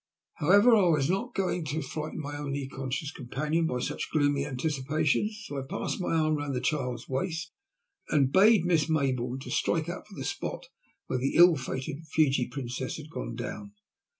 However, I was not going to frighten my only conscious companion by such gloomy anticipations, so I passed my arm round the child's waist and bade Miss Maybourne strike out for the spot where the ill fated Fiji Princess had gone down.